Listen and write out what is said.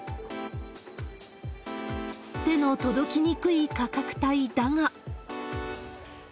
手の届きにくい価格帯だが。